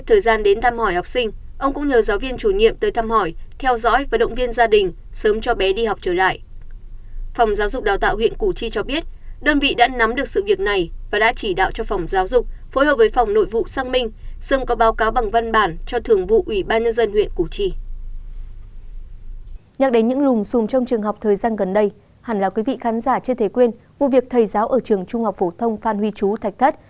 trên thế quyên vụ việc thầy giáo ở trường trung học phổ thông phan huy chú thạch thất